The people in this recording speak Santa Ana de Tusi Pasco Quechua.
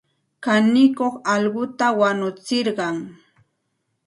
Kanikuq allquta wanutsirqan.